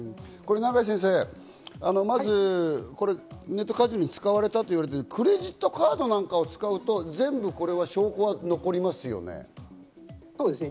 長井先生、まずネットカジノに使われたというクレジットカードなんかを使うと全部証拠は残りますよね。